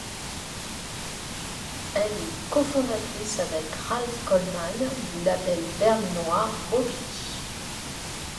Elle est cofondatrice, avec Ralf Kollmann, du label berlinois Mobilee.